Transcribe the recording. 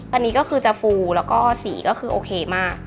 อันนี้ก็คือจะฟูแล้วก็สีก็คือโอเคมาก